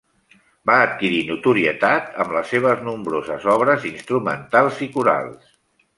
Va adquirir notorietat amb les seves nombroses obres instrumentals i corals.